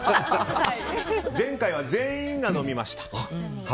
前回は全員が飲みました。